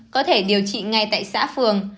có thể điều trị ngay tại xã phường